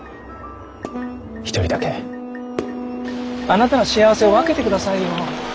あなたの幸せを分けてくださいよ。